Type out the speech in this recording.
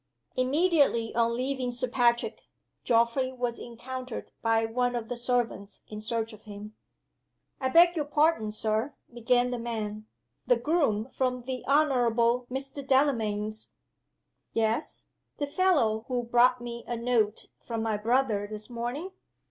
Immediately on leaving Sir Patrick, Geoffrey was encountered by one of the servants in search of him. "I beg your pardon, Sir," began the man. "The groom from the Honorable Mr. Delamayn's " "Yes? The fellow who brought me a note from my brother this morning?"